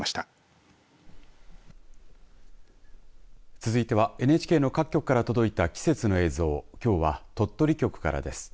続いてはＮＨＫの各局から届いた季節の映像きょうは鳥取局からです。